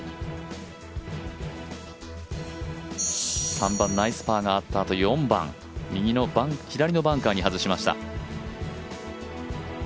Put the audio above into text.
３番ナイスパーがあったあと、４番、左のバンカーに外しました。